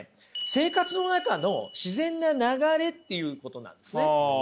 生活の中の自然な流れっていうことなんですね。